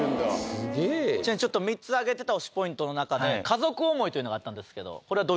すげえ３つ挙げてた推しポイントの中で家族思いというのがあったんですけどこれは？